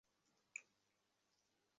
সে আমাদেরকে ফিরে যেতে বলেছে!